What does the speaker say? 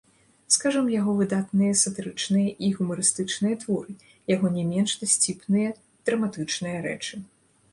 Скажам, яго выдатныя сатырычныя і гумарыстычныя творы, яго не менш дасціпныя драматычныя рэчы.